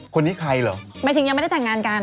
คนนี้ใครเหรอหมายถึงยังไม่ได้แต่งงานกัน